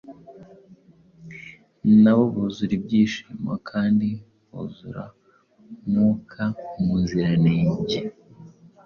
nabo buzura ibyishimo kandi buzura Mwuka Muziranenge.”